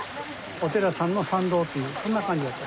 お寺さんの参道っていうそんな感じだった。